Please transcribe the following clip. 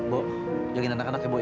bu jagain anak anaknya bu ya